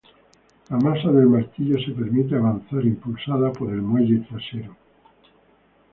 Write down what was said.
La masa del martillo se permite avanzar, impulsada por el muelle trasero.